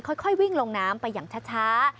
ค่อยวิ่งลงน้ำไปอย่างช้า